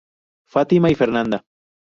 Fátima y Fernanda.